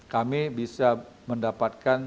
kami bisa mendapatkan